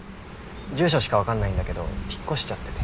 住所しか分かんないんだけど引っ越しちゃってて。